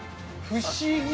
不思議。